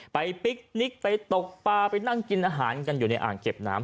ปิ๊กนิกไปตกปลาไปนั่งกินอาหารกันอยู่ในอ่างเก็บน้ำ